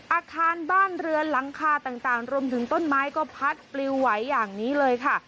อาคารบ้านเรือนหลังคาต่างรวมถึงต้นไม้ก็พัดปลิวไหวอย่างนี้เลยค่ะ